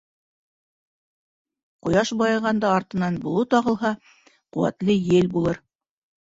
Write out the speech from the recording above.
Ҡояш байығанда артынан болот ағылһа, ҡеүәтле ел булыр.